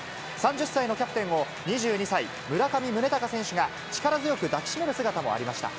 ３０歳のキャプテンを、２２歳、村上宗隆選手が、力強く抱き締める姿もありました。